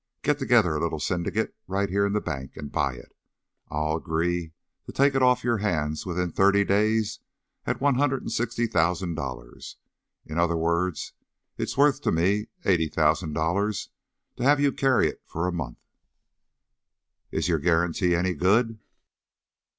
Get together a little syndicate right here in the bank, and buy it. I'll agree to take it off your hands within thirty days at one hundred and sixty thousand dollars. In other words, it is worth to me eighty thousand dollars to have you carry it for a month." "Is your guaranty any good?"